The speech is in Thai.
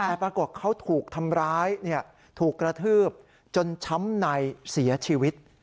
แต่ปรากฏเขาถูกทำร้ายถูกกระทืบจนช้ำในเสียชีวิต